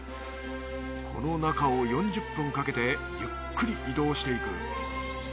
この中を４０分かけてゆっくり移動していく。